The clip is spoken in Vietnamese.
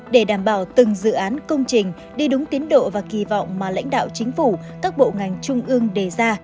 để đảm bảo từng dự án công trình đi đúng tiến độ và kỳ vọng mà lãnh đạo chính phủ các bộ ngành trung ương đề ra